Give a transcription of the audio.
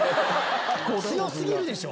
強過ぎるでしょ！